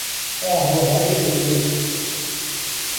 راهروهای دلگیر